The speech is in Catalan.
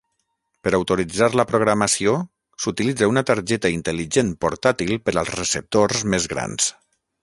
Per autoritzar la programació, s'utilitza una targeta intel·ligent portàtil per als receptors més grans.